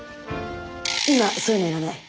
今そういうのいらない。